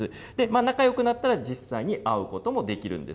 仲よくなったら、実際に会うこともできるんです。